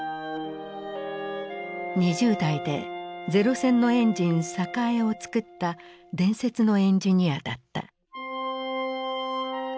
２０代で零戦のエンジン栄をつくった伝説のエンジニアだった。